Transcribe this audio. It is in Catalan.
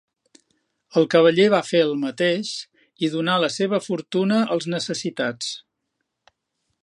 El cavaller va fer el mateix i donà la seva fortuna als necessitats.